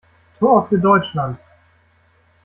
Tor für Deutschland!